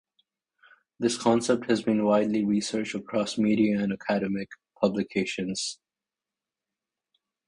This concept has been widely researched across media and academic publications.